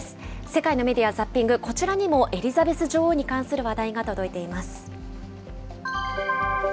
世界のメディア・ザッピング、こちらにもエリザベス女王に関する話題が届いています。